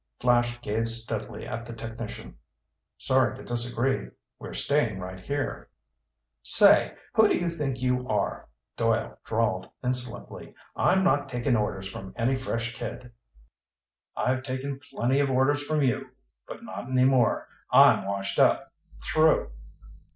Flash gazed steadily at the technician. "Sorry to disagree. We're staying right here." "Say who do you think you are?" Doyle drawled insolently. "I'm not taking orders from any fresh kid." "I've taken plenty of orders from you. But not any more. I'm washed up! Through!"